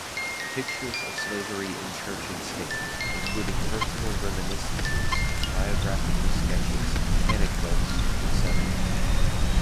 Pictures of Slavery in Church and State; Including Personal Reminiscences, Biographical Sketches, Anecdotes, Etc.